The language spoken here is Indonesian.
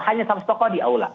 hanya seratus stokoh di aula